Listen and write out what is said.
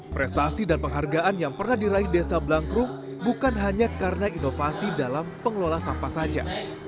prestasi dan penghargaan yang pernah diraih desa blangkrum bukan hanya karena inovasi dalam pengelola sampah saja